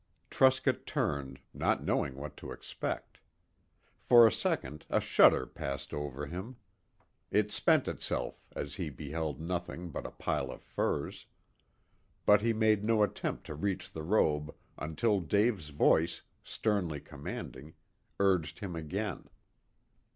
Truscott turned, not knowing what to expect. For a second a shudder passed over him. It spent itself as he beheld nothing but the pile of furs. But he made no attempt to reach the robe until Dave's voice, sternly commanding, urged him again.